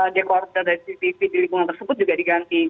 dekorter dari cctv di lingkungan tersebut juga diganti